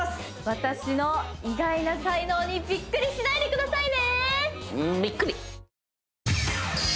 私の意外な才能にビックリしないでくださいね！